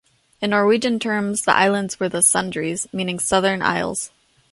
In Norwegian terms, the islands were the "Sudreys", meaning Southern Isles.